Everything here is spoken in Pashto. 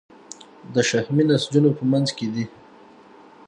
د شحمي نسجونو په منځ کې دي.